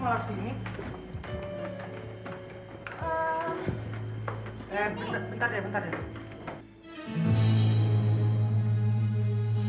ntar ya bentar ya